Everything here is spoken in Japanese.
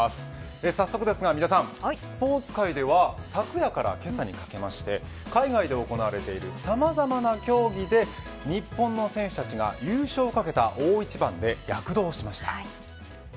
早速ですが三田さんスポーツ界では昨夜からけさにかけまして海外で行われているさまざまな競技で日本の選手たちが優勝を懸けた大一番で躍動しました。